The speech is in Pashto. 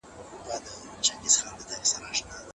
تاسي په خپلو دوستانو کي اعتبار لرئ.